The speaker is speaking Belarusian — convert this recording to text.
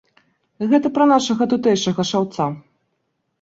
Гэта пра нашага тутэйшага шаўца.